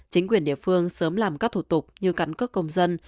chính quyền địa phương sớm làm các thủ tục như cắn cước công dân